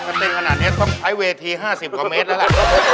ก็เต้นขนาดนี้ต้องใช้เวทีห้าสิบกว่าเมตรแล้วล่ะ